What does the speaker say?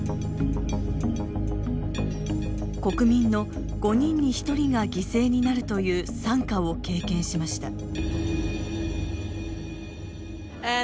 国民の５人に１人が犠牲になるという惨禍を経験しました。